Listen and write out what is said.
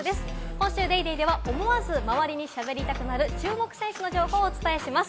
今週『ＤａｙＤａｙ．』では思わず周りにしゃべりたくなる注目選手の情報をお伝えします。